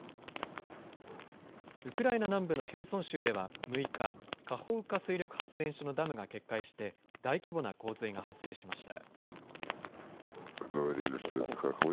ウクライナ南部のヘルソン州では６日カホウカ水力発電所のダムが決壊して大規模な洪水が発生しました。